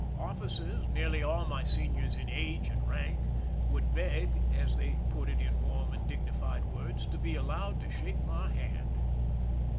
Officers, nearly aU my seniors in age and rank, would beg, as they put it in warm and dignified words, to be allowed to shake my hand.